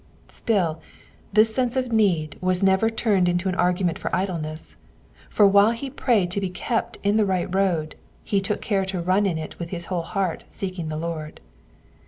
'*^ Still, this sense of need was never turned into an argument for idleness ; for while he prayed to be kept in the right road he took care to run in it with his whole heart seeking the Lord.